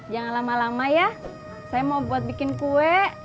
jangan lama lama ya saya mau buat bikin kue